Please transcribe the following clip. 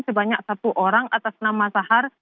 sebanyak satu orang atas nama sahar